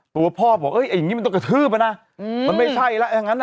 แต่ว่าพ่อบอกเอ้ยอย่างงี้มันต้องกระทืบอ่ะน่ะอืมมันไม่ใช่แล้วอย่างงั้นน่ะ